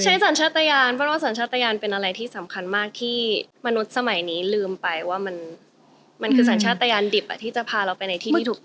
สัญชาติยานเพราะว่าสัญชาติยานเป็นอะไรที่สำคัญมากที่มนุษย์สมัยนี้ลืมไปว่ามันคือสัญชาติยานดิบที่จะพาเราไปในที่ที่ถูกต้อง